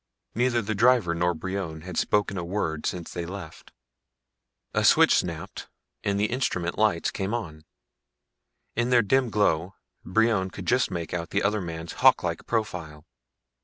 Neither the driver nor Brion had spoken a word since they left. A switch snapped and the instrument lights came on. In their dim glow Brion could just make out the other man's hawklike profile.